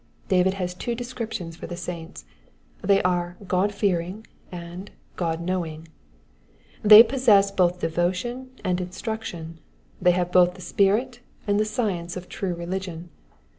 David has two descriptions for the saints, they are God fearing and God knowing. They possess both devotion and instruction ; they have both the spirit and the science of true religion.